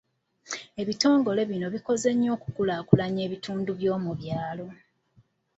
Ebitongole bino bikoze nnyo okukulaakulanya ebitundu by'omu byalo.